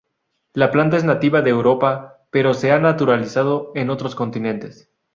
La planta es nativa de Europa, pero se ha naturalizado en otros continentes.